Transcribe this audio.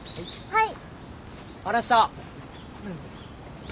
はい。